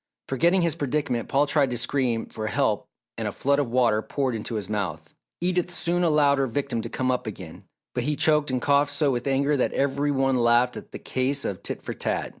Forgetting his predicament, Paul tried to scream for help and a flood of water poured into his mouth. Edith soon allowed her victim to come up again, but he choked and coughed so with anger that every one laughed at the case of "tit for tat."